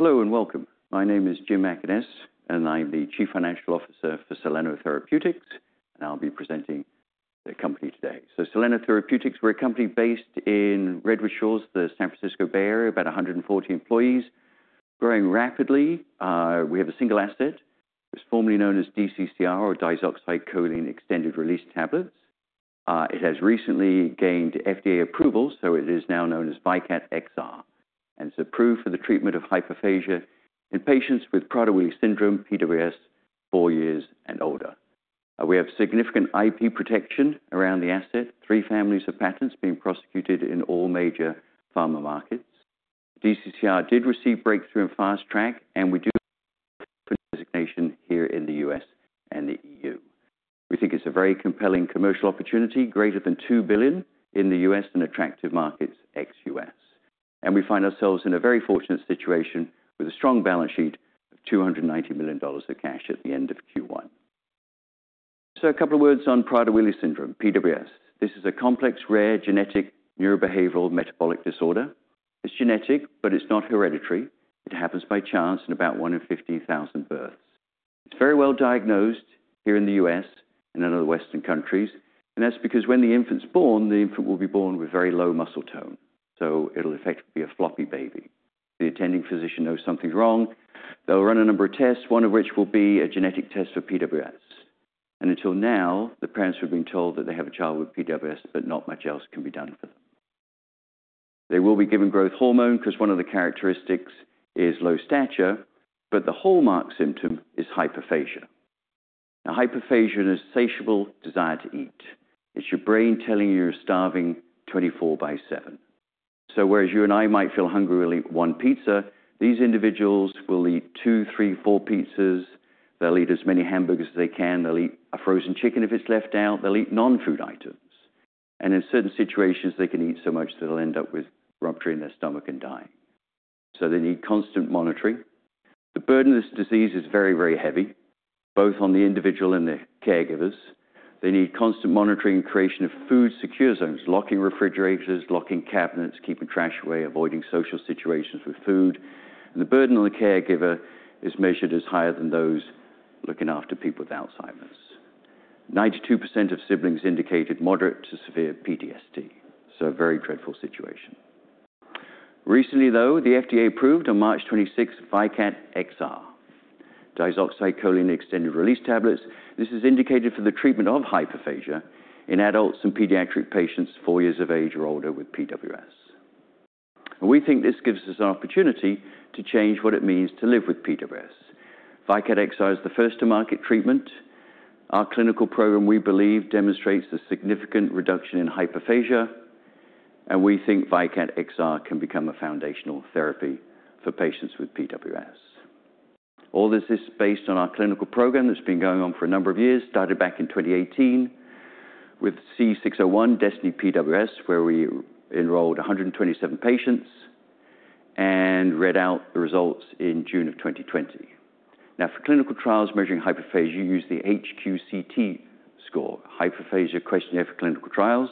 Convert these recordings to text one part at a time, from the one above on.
Hello and welcome. My name is Jim MacKaness, and I'm the Chief Financial Officer for Soleno Therapeutics, and I'll be presenting the company today. Soleno Therapeutics, we're a company based in Redwood Shores, the San Francisco Bay Area, about 140 employees, growing rapidly. We have a single asset that's formerly known as DCCR, or Diazoxide Choline Extended-Release tablets. It has recently gained FDA approval, so it is now known as VYKAT XR, and it's approved for the treatment of hyperphagia in patients with Prader-Willi syndrome, PWS, four years and older. We have significant IP protection around the asset, three families of patents being prosecuted in all major pharma markets. DCCR did receive breakthrough and fast track, and we do have a designation here in the U.S. and the European Union. We think it's a very compelling commercial opportunity, greater than $2 billion in the U.S. and attractive markets ex-U.S.We find ourselves in a very fortunate situation with a strong balance sheet of $290 million of cash at the end of Q1. A couple of words on Prader-Willi syndrome, PWS. This is a complex, rare genetic neurobehavioral metabolic disorder. It's genetic, but it's not hereditary. It happens by chance in about 1 in 50,000 births. It's very well diagnosed here in the U.S. and in other Western countries, and that's because when the infant's born, the infant will be born with very low muscle tone, so it'll effectively be a floppy baby. The attending physician knows something's wrong. They'll run a number of tests, one of which will be a genetic test for PWS. Until now, the parents have been told that they have a child with PWS, but not much else can be done for them. They will be given growth hormone because one of the characteristics is low stature, but the hallmark symptom is hyperphagia. Now, hyperphagia is a satirable desire to eat. It's your brain telling you you're starving 24/7. Whereas you and I might feel hungry to eat one pizza, these individuals will eat two, three, four pizzas. They'll eat as many hamburgers as they can. They'll eat a frozen chicken if it's left out. They'll eat non-food items. In certain situations, they can eat so much that they'll end up with rupture in their stomach and dying. They need constant monitoring. The burden of this disease is very, very heavy, both on the individual and the caregivers. They need constant monitoring and creation of food secure zones, locking refrigerators, locking cabinets, keeping trash away, avoiding social situations with food. The burden on the caregiver is measured as higher than those looking after people with Alzheimer's. 92% of siblings indicated moderate to severe PTSD, so a very dreadful situation. Recently, though, the FDA approved on March 26 VYKAT XR, Diazoxide Choline Extended-Release tablets. This is indicated for the treatment of hyperphagia in adults and pediatric patients four years of age or older with PWS. We think this gives us an opportunity to change what it means to live with PWS. VYKAT XR is the first to market treatment. Our clinical program, we believe, demonstrates a significant reduction in hyperphagia, and we think VYKAT XR can become a foundational therapy for patients with PWS.All this is based on our clinical program that's been going on for a number of years, started back in 2018 with C601 DESTINY PWS, where we enrolled 127 patients and read out the results in June of 2020. Now, for clinical trials measuring hyperphagia, you use the HQCT score, Hyperphagia Questionnaire for Clinical Trials.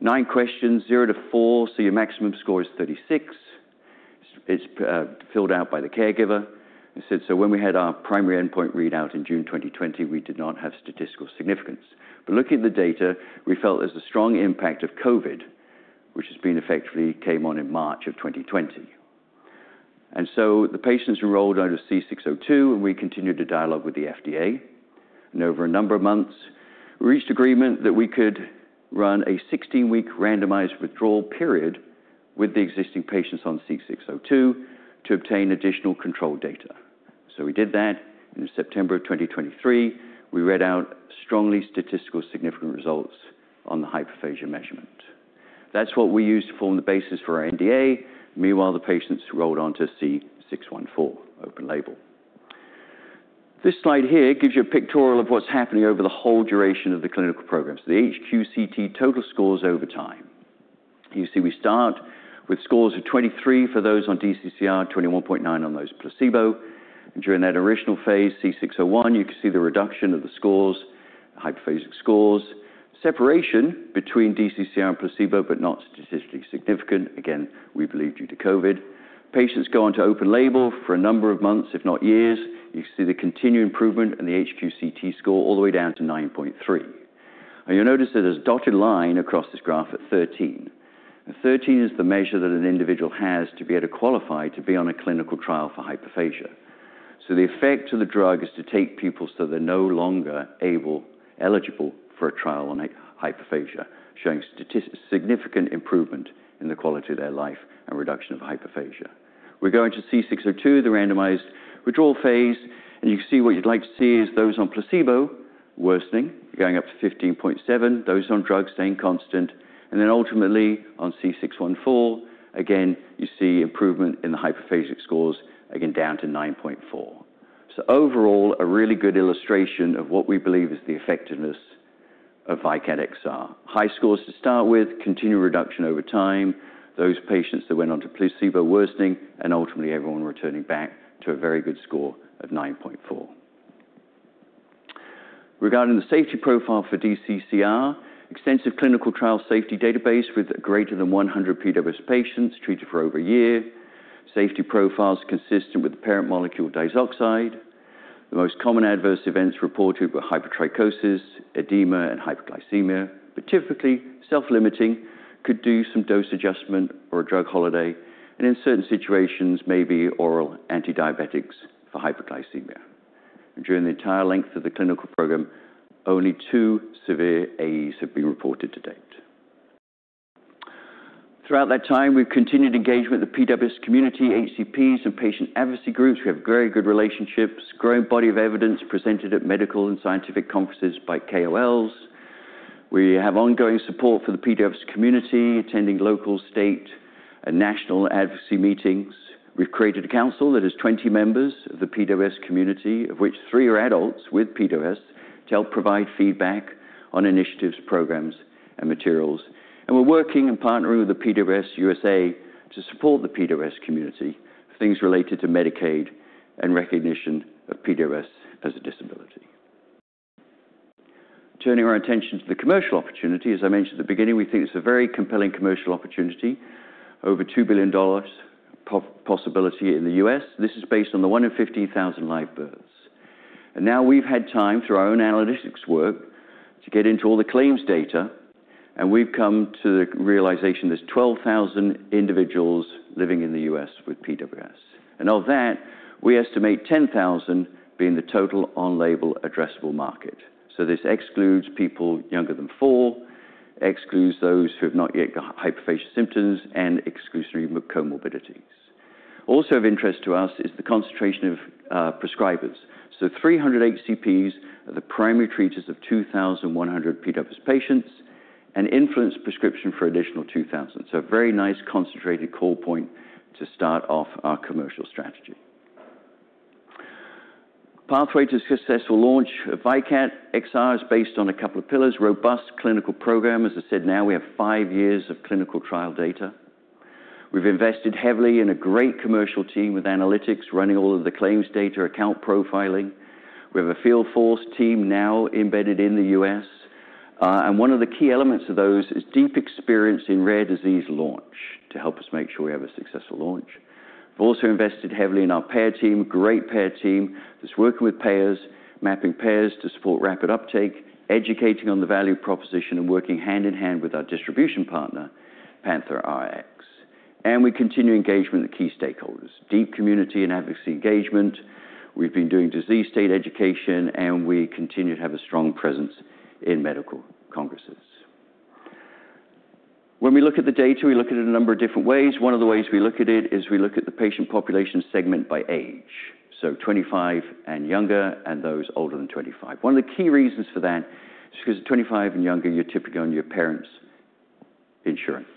Nine questions, zero to four, so your maximum score is 36. It's filled out by the caregiver. When we had our primary endpoint readout in June 2020, we did not have statistical significance. Looking at the data, we felt there's a strong impact of COVID, which effectively came on in March of 2020. The patients enrolled under C602, and we continued to dialogue with the FDA.Over a number of months, we reached agreement that we could run a 16-week randomized withdrawal period with the existing patients on C602 to obtain additional control data. We did that. In September 2023, we read out strongly statistically significant results on the hyperphagia measurement. That is what we used to form the basis for our NDA. Meanwhile, the patients rolled onto C614, open label. This slide here gives you a pictorial of what is happening over the whole duration of the clinical program. The HQCT total scores over time. You see we start with scores of 23 for those on DCCR, 21.9 on those placebo. During that original phase, C601, you can see the reduction of the scores, hyperphagic scores, separation between DCCR and placebo, but not statistically significant. We believe due to COVID.Patients go on to open label for a number of months, if not years. You see the continued improvement in the HQCT score all the way down to 9.3. You will notice there is a dotted line across this graph at 13. Thirteen is the measure that an individual has to be able to qualify to be on a clinical trial for hyperphagia. The effect of the drug is to take people so they are no longer eligible for a trial on hyperphagia, showing significant improvement in the quality of their life and reduction of hyperphagia. We are going to C602, the randomized withdrawal phase. You can see what you would like to see is those on placebo worsening, going up to 15.7, those on drug staying constant. Ultimately on C614, again, you see improvement in the hyperphagic scores, again down to 9.4. Overall, a really good illustration of what we believe is the effectiveness of VYKAT XR. High scores to start with, continued reduction over time, those patients that went on to placebo worsening, and ultimately everyone returning back to a very good score of 9.4. Regarding the safety profile for DCCR, extensive clinical trial safety database with greater than 100 PWS patients treated for over a year. Safety profiles consistent with parent molecule diazoxide. The most common adverse events reported were hypertrichosis, edema, and hypoglycemia, but typically self-limiting, could do some dose adjustment or a drug holiday, and in certain situations, maybe oral antidiabetics for hyperglycemia. During the entire length of the clinical program, only two severe AEs have been reported to date. Throughout that time, we've continued engagement with the PWS community, HCPs, and patient advocacy groups. We have very good relationships, growing body of evidence presented at medical and scientific conferences by KOLs. We have ongoing support for the PWS community, attending local, state, and national advocacy meetings. We have created a council that has 20 members of the PWS community, of which three are adults with PWS, to help provide feedback on initiatives, programs, and materials. We are working and partnering with the PWS USA to support the PWS community for things related to Medicaid and recognition of PWS as a disability. Turning our attention to the commercial opportunity, as I mentioned at the beginning, we think it is a very compelling commercial opportunity, over $2 billion possibility in the U.S. This is based on the one in 15,000 live births. Now we have had time, through our own analytics work, to get into all the claims data, and we have come to the realization there are 12,000 individuals living in the U.S. with PWS. Of that, we estimate 10,000 being the total on-label addressable market. This excludes people younger than four, excludes those who have not yet got hyperphagia symptoms, and exclusionary comorbidities. Also of interest to us is the concentration of prescribers. Three hundred HCPs are the primary treaters of 2,100 PWS patients, and influence prescription for an additional 2,000. A very nice concentrated call point to start off our commercial strategy. Pathway to successful launch of VYKAT XR is based on a couple of pillars. Robust clinical program, as I said, now we have five years of clinical trial data. We have invested heavily in a great commercial team with analytics running all of the claims data, account profiling. We have a field force team now embedded in the U.S. One of the key elements of those is deep experience in rare disease launch to help us make sure we have a successful launch. We have also invested heavily in our payer team, great payer team that is working with payers, mapping payers to support rapid uptake, educating on the value proposition, and working hand in hand with our distribution partner, PANTHERx. We continue engagement with key stakeholders, deep community and advocacy engagement. We have been doing disease state education, and we continue to have a strong presence in medical congresses. When we look at the data, we look at it in a number of different ways. One of the ways we look at it is we look at the patient population segment by age, so 25 and younger and those older than 25.One of the key reasons for that is because at 25 and younger, you're typically on your parents' insurance.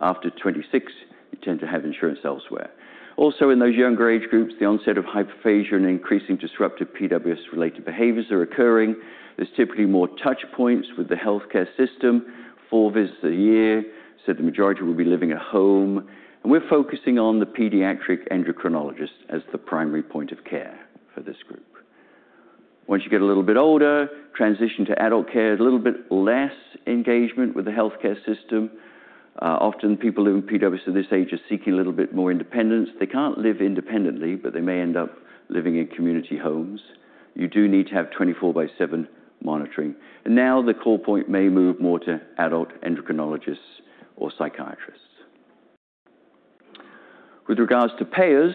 After 26, you tend to have insurance elsewhere. Also, in those younger age groups, the onset of hyperphagia and increasing disruptive PWS-related behaviors are occurring. There's typically more touch points with the healthcare system, four visits a year, so the majority will be living at home. We're focusing on the pediatric endocrinologist as the primary point of care for this group. Once you get a little bit older, transition to adult care, a little bit less engagement with the healthcare system. Often people living in PWS at this age are seeking a little bit more independence. They can't live independently, but they may end up living in community homes. You do need to have 24/7 monitoring. The call point may move more to adult endocrinologists or psychiatrists. With regards to payers,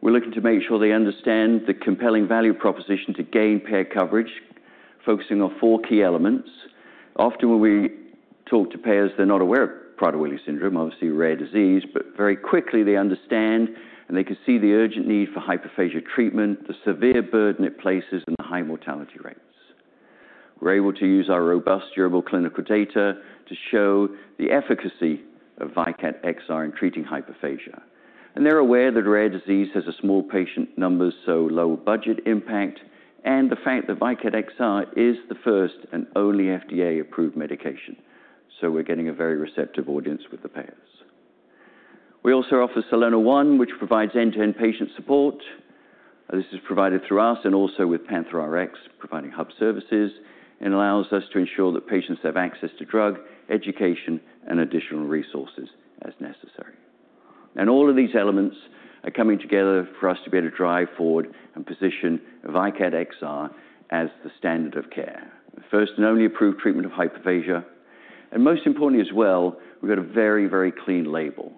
we're looking to make sure they understand the compelling value proposition to gain payer coverage, focusing on four key elements. Often when we talk to payers, they're not aware of Prader-Willi syndrome, obviously a rare disease, but very quickly they understand and they can see the urgent need for hyperphagia treatment, the severe burden it places, and the high mortality rates. We're able to use our robust, durable clinical data to show the efficacy of VYKAT XR in treating hyperphagia. They're aware that rare disease has small patient numbers, so low budget impact, and the fact that VYKAT XR is the first and only FDA-approved medication. We're getting a very receptive audience with the payers. We also offer Soleno One, which provides end-to-end patient support. This is provided through us and also with PANTHERx, providing hub services, and allows us to ensure that patients have access to drug, education, and additional resources as necessary. All of these elements are coming together for us to be able to drive forward and position VYKAT XR as the standard of care, the first and only approved treatment of hyperphagia. Most importantly as well, we've got a very, very clean label.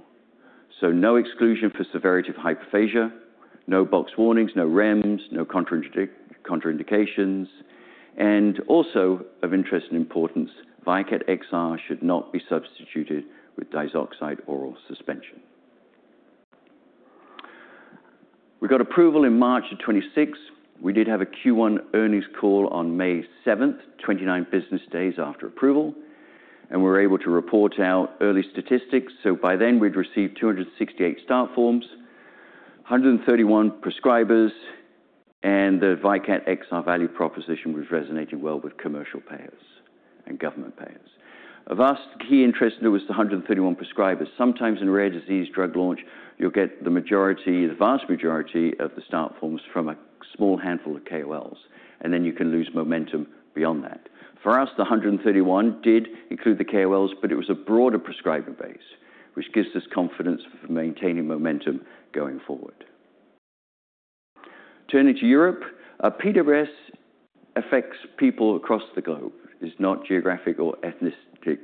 No exclusion for severity of hyperphagia, no box warnings, no REMS, no contraindications. Also of interest and importance, VYKAT XR should not be substituted with Diazoxide Oral suspension. We got approval in March of 26. We did have a Q1 earnings call on May 7, 29 business days after approval, and we were able to report out early statistics. By then, we'd received 268 start forms, 131 prescribers, and the VYKAT XR value proposition was resonating well with commercial payers and government payers. For us, the key interest in it was the 131 prescribers. Sometimes in rare disease drug launch, you'll get the majority, the vast majority of the start forms from a small handful of KOLs, and then you can lose momentum beyond that. For us, the 131 did include the KOLs, but it was a broader prescribing base, which gives us confidence for maintaining momentum going forward. Turning to Europe, PWS affects people across the globe. It's not geographic or ethnicity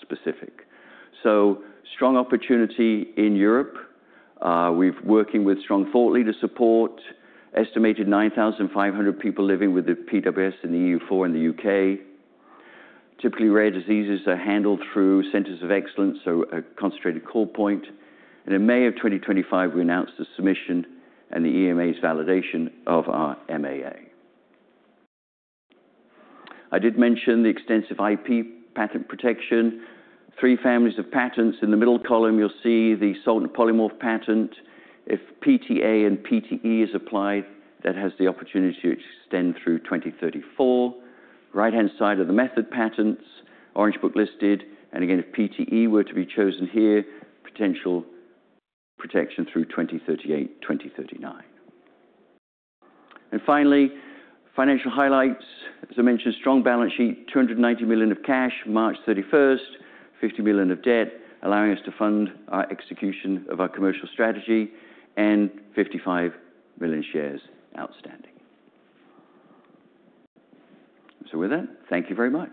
specific. Strong opportunity in Europe. We're working with strong thought leader support, estimated 9,500 people living with PWS in the European Union, four in the United Kingdom. Typically, rare diseases are handled through centers of excellence, so a concentrated call point.In May of 2025, we announced the submission and the EMA's validation of our MAA. I did mention the extensive IP patent protection, three families of patents. In the middle column, you'll see the salt and polymorph patent. If PTA and PTE is applied, that has the opportunity to extend through 2034. Right-hand side are the method patents, Orange Book listed. Again, if PTE were to be chosen here, potential protection through 2038, 2039. Finally, financial highlights. As I mentioned, strong balance sheet, $290 million of cash, March 31st, $50 million of debt, allowing us to fund our execution of our commercial strategy, and 55 million shares outstanding. With that, thank you very much.